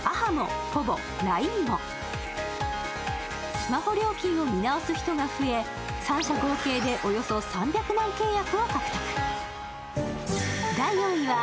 スマホ料金を見直す人が増え、３社合計でおよそ３００万契約を獲得。